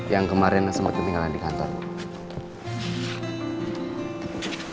yang kemarin sempat ketinggalan di kantor